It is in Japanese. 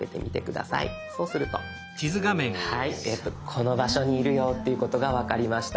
この場所にいるよっていうことが分かりました。